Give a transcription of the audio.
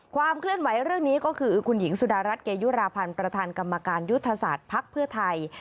ความเคลื่อนไหวเรื่องนี้ก็คือคุณหญิงสุดารัฐเกยุราพันธ์ประธานกรรมการยุทธศาสตร์ภักดิ์เพื่อไทย